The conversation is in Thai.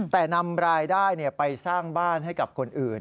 แต่นำรายได้ไปสร้างบ้านให้กับคนอื่น